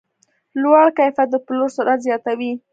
لوړ کیفیت د پلور سرعت زیاتوي.